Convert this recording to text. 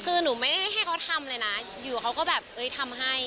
คือหนูไม่ได้ให้เขาทำเลยนะอยู่เขาก็แบบเอ้ยทำให้